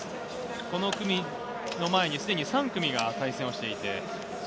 この組の前に３組が対戦しています。